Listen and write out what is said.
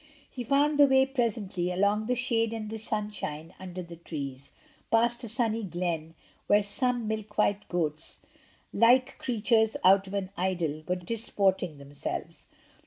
He found the way presently, along the shade and the sunshine under the trees, past a sunny glen where some milk white goats, like creatures out of an idyll, were disporting themselves.